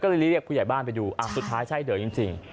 ก็เลยเรียกผู้ใหญ่บ้านไปดูสุดท้ายใช่เด๋อจริง